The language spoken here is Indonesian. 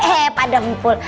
eh pak dempul